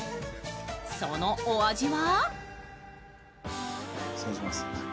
そのお味は？